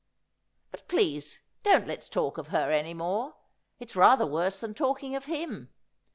But please don't let's talk of her any more. It's rather worse than talking of him.